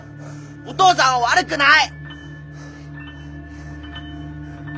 お父さんは悪くない！